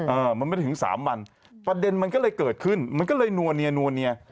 เออมันไม่ได้ถึงสามวันประเด็นมันก็เลยเกิดขึ้นมันก็เลยนัวเนียนัวเนีย